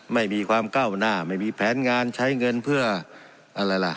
ไม่มีความก้าวหน้าไม่มีแผนงานใช้เงินเพื่ออะไรล่ะ